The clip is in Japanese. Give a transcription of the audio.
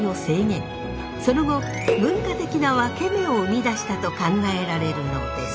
その後文化的なワケメを生み出したと考えられるのです。